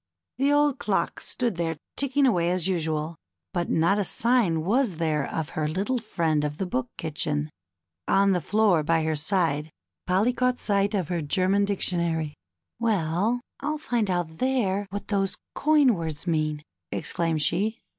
The old clock stood there ticking away as usual, but not a sign was there of her little friend of the Book Kitchen. On the floor by her side, Polly caught sight of her German Dictionary. ^^Well, I'll find out there what those coin words mean," exclaimed she.